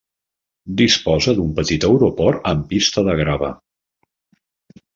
Disposa d'un petit aeroport amb pista de grava.